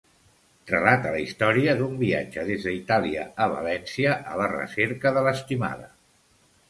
Relata la història d'un viatge des d'Itàlia a València a la recerca de l'estimada.